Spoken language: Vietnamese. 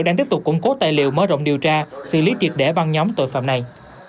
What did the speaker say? đang tiếp tục củng cố tài liệu mở rộng điều tra xử lý triệt để băng nhóm tội phạm này